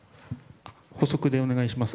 補足でお願いします。